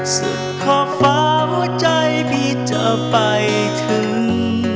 สุดขอบฟ้าหัวใจมีเธอไปถึง